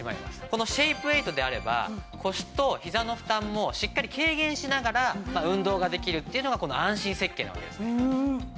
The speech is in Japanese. このシェイプエイトであれば腰とひざの負担もしっかり軽減しながら運動ができるっていうのがこの安心設計なわけですね。